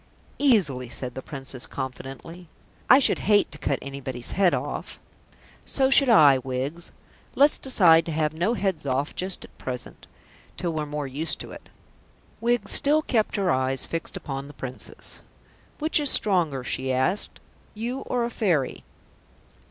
"Easily," said the Princess confidently. "I should hate to cut anybody's head off." "So should I, Wiggs. Let's decide to have no heads off just at present till we're more used to it." Wiggs still kept her eyes fixed upon the Princess. "Which is stronger," she asked, "you or a Fairy?"